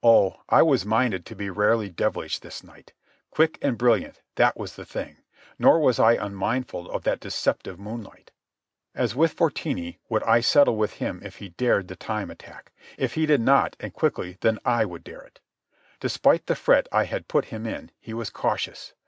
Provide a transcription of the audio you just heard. Oh, I was minded to be rarely devilish this night. Quick and brilliant—that was the thing. Nor was I unmindful of that deceptive moonlight. As with Fortini would I settle with him if he dared the time attack. If he did not, and quickly, then I would dare it. Despite the fret I had put him in, he was cautious.